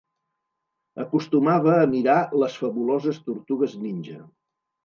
Acostumava a mirar Les Fabuloses Tortugues Ninja.